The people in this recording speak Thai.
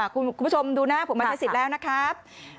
คุณผู้ชมดูนะผมมาใช้สิทธิ์แล้วนะครับ